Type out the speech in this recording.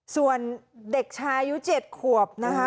ส่วนเด็กชายอายุ๗ขวบนะคะ